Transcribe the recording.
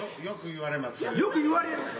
「よく言われる」？